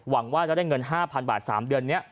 หวังว่าจะได้เงิน๕๐๐บาท๓เดือนนี้